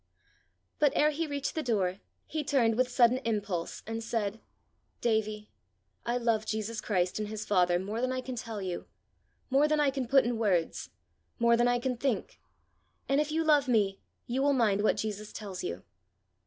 But ere he reached the door, he turned with sudden impulse, and said: "Davie, I love Jesus Christ and his Father more than I can tell you more than I can put in words more than I can think; and if you love me you will mind what Jesus tells you."